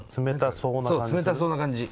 そう冷たそうな感じ。